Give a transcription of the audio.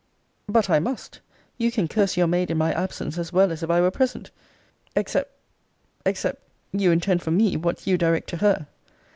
But I must you can curse your maid in my absence, as well as if I were present Except except you intend for me, what you direct to her.